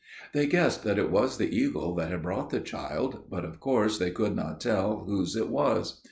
They guessed that it was the eagle that had brought the child, but, of course, they could not tell whose it was.